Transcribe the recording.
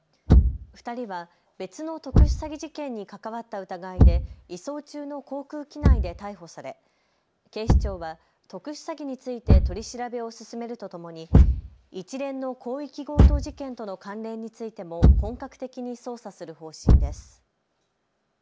２人は別の特殊詐欺事件に関わった疑いで移送中の航空機内で逮捕され警視庁は特殊詐欺について取り調べを進めるとともに一連の広域強盗事件との関連についても本格的に捜査する方針です。